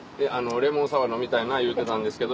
「レモンサワー飲みたいな言うてたんですけど」